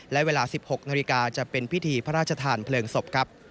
และเวลา๑๖นจะเป็นพิธีพระราชธานเพลิงศพ